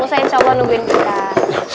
ustazah insya allah nungguin kita